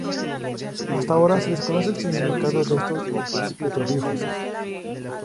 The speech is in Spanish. Hasta ahora se desconoce el significado de estos petroglifos.